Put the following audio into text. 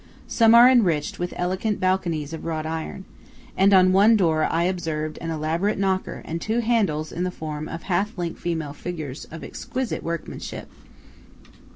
Some are enriched with elegant balconies of wrought iron; and on one door I observed an elaborate knocker and two handles in the form of half length female figures of exquisite workmanship.